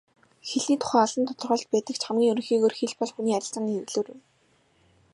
Хэлний тухай олон тодорхойлолт байдаг ч хамгийн ерөнхийгөөр хэл бол хүний харилцааны хэрэглүүр юм.